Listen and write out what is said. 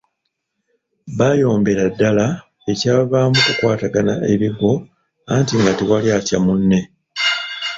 Baayombera ddala ekyavaamu kukwatagana ebigwo anti nga tewali atya munne.